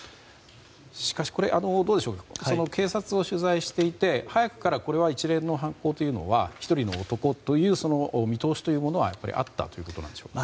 しかし、警察を取材していて早くから、一連の犯行というのは１人の男という見通しというものはあったということでしょうか。